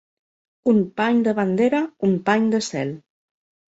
Un pany de bandera, un pany de cel.